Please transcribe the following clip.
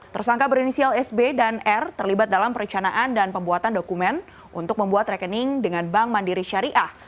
tersangka berinisial sb dan r terlibat dalam perencanaan dan pembuatan dokumen untuk membuat rekening dengan bank mandiri syariah